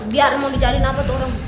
biar mau dicariin apa tuh orang